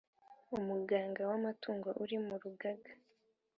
umuganga w amatungo uri mu rugaga